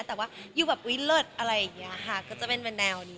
แต่ว่าอยู่แบบอุ๊ยเลิศอะไรอย่างนี้ค่ะก็จะเป็นแนวนี้